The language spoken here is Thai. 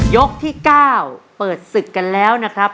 ยกที่๙เปิดศึกกันแล้วนะครับ